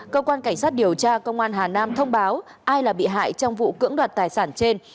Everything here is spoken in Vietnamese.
cơ quan cảnh sát điều tra công an hà nam thông báo ai là bị hại trong vụ cưỡng đoạt tài sản trên